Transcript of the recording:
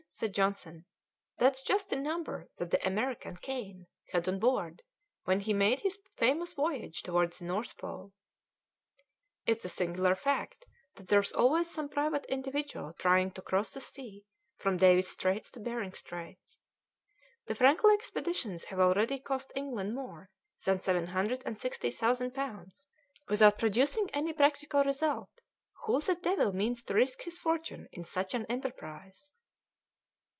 said Johnson. "That's just the number that the American, Kane, had on board when he made his famous voyage towards the North Pole." "It's a singular fact that there's always some private individual trying to cross the sea from Davis's Straits to Behring's Straits. The Franklin expeditions have already cost England more than seven hundred and sixty thousand pounds without producing any practical result. Who the devil means to risk his fortune in such an enterprise?"